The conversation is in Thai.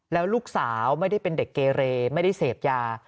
แล้วลูกสาวไม่ได้เป็นเด็กเกเรไม่ได้เสพยา